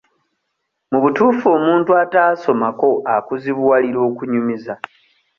Mu butuufu omuntu ataasomako akuzibuwalira okunyumiza.